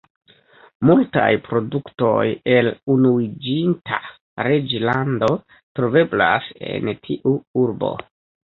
Multaj produktoj el Unuiĝinta Reĝlando troveblas en tiu urbo.